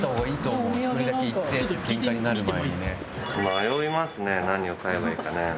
迷いますね何を買えばいいかね。